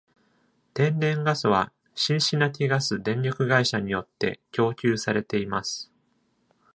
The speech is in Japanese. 天然ガスはシンシナティガス電力会社によって供給されています。